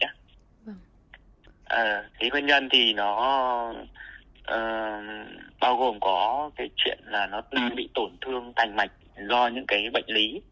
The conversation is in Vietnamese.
cái nguyên nhân thì nó bao gồm có cái chuyện là nó bị tổn thương thành mạch do những cái bệnh lý